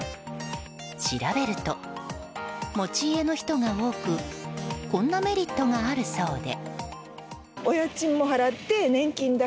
調べると、持ち家の人が多くこんなメリットがあるそうで。